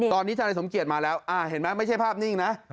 ตอนนี้ทนายสมเกียจมาแล้วเห็นไหมไม่ใช่ภาพนิ่งนะ